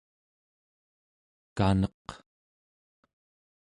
kaneq